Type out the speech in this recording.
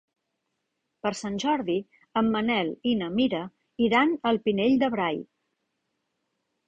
Per Sant Jordi en Manel i na Mira iran al Pinell de Brai.